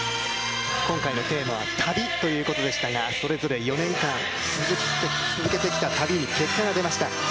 今回のテーマは「旅」ということでしたが、それぞれ４年間続けてきた旅に結果が出ました。